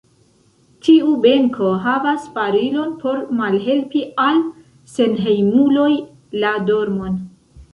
Tiu benko havas barilon por malhelpi al senhejmuloj la dormon.